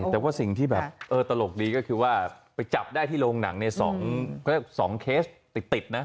แต่ว่าสิ่งที่แบบตลกดีก็คือว่าไปจับได้ที่โรงหนังเนี่ย๒เคสติดนะ